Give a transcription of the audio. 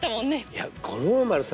いや五郎丸さん